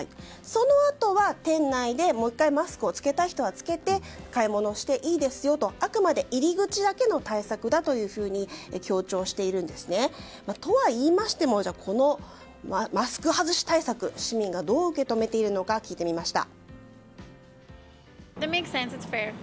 そのあとは店内でもう１回マスクを着けたい人は着けて買い物をしていいですよとあくまで入り口だけの対策だと強調しているんですね。とはいいましてもこのマスク外し対策を市民がどう受け止めているのか聞いてみました。